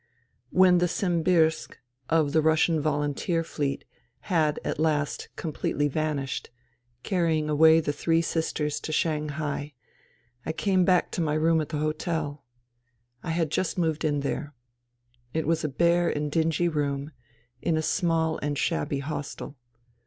... When the Simbirsk, of the Russian Volunteer Fleet, had at last completely vanished, carrying away the three sisters to Shanghai, I came back to my room at the hotel. I had just moved in there. It was a bare and dingy room in a small and shabby hostel.